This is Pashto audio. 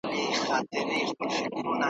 کمند ورځو لاندي هر باڼو نشتر دئ.